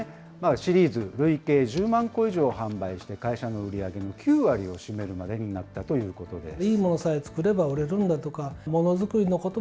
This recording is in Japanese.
シリーズ累計１０万個以上販売して、会社の売り上げの９割を占めるまでになったということです。